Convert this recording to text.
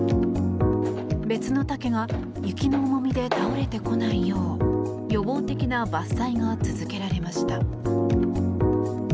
別の竹が雪の重みで倒れてこないよう予防的な伐採が続けられました。